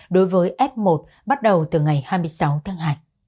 đối với f một bắt đầu từ ngày hai mươi sáu tháng hai